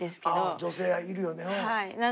女性いるよねうん。